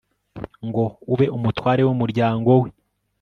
ngo ube umutware w'umuryango we